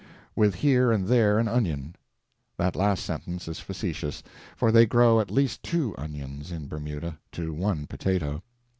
With here and there an onion. That last sentence is facetious; for they grow at least two onions in Bermuda to one potato.